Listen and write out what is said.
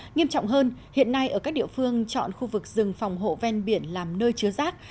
nghiêm trọng hơn hiện nay ở các địa phương chọn khu vực rừng phòng hộ ven biển làm nơi chứa rác